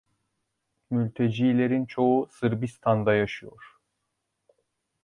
Mültecilerin çoğu Sırbistan'da yaşıyor.